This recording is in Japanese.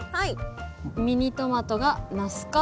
ミニトマトがナス科。